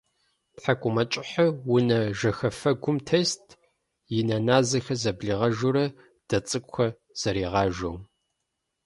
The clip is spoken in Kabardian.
ТхьэкӀумэкӀыхьыр унэ жэхэфэгум тест, и нэ назэхэр зэблигъэжурэ дэ цӀыкӀухэр зэригъажэу.